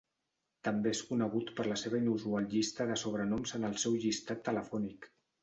També és conegut per la seva inusual llista de sobrenoms en el seu llistat telefònic.